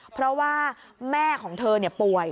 เพราะว่าแม่ของเธอป่วย